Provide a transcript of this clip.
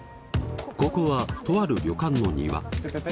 ここはとある旅館の庭。